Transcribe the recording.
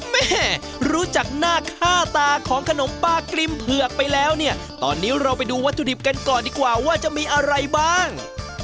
แม่รู้จักหน้าค่าตาของขนมปลากริมเผือกไปแล้วเนี่ยตอนนี้เราไปดูวัตถุดิบกันก่อนดีกว่าว่าจะมีอะไรบ้าง